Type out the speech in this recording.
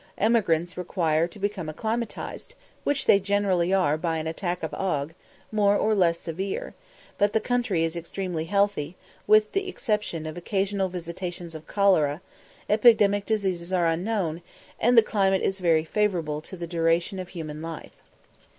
Emigrants require to become acclimatised, which they generally are by an attack of ague, more or less severe; but the country is extraordinarily healthy; with the exception of occasional visitations of cholera, epidemic diseases are unknown, and the climate is very favourable to the duration of human life.